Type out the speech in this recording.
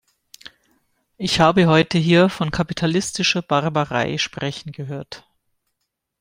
Ich habe heute hier von kapitalistischer Barbarei sprechen gehört.